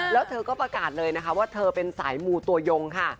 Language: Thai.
แล้วเธอก็ประกาศเลยนะคะว่าเธอเป็นสายมูตัวยงค่ะ